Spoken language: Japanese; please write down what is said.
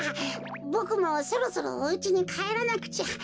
ボクもそろそろおうちにかえらなくちゃ。